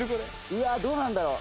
うわっどうなんだろう？